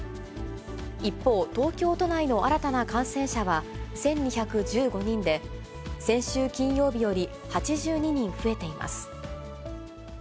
一方、東京都内の新たな感染者は１２１５人で、先週金曜日より８２人増えています。